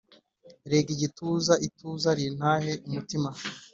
Rega igituza ituze rintahe umutima